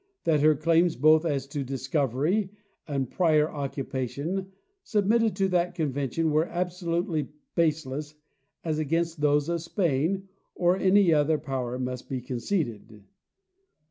That her claims, both as to discovery and prior occupation, submitted to that convention were absolutely baseless as against those of Spain or any other power must be conceded.